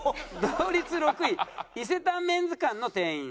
同率６位伊勢丹メンズ館の店員。